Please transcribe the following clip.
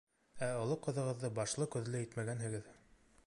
Ә оло ҡыҙығыҙҙы башлы-күҙле итмәгәнһегеҙ.